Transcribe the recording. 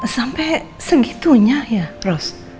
sampai segitunya ya ros